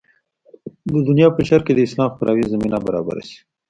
د دنیا په شرق کې د اسلام خپراوي زمینه برابره شي.